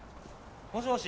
もしもし？